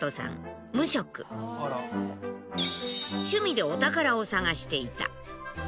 趣味でお宝を探していた。